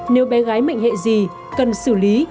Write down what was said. nếu bé gái mệnh hệ gì cần xử lý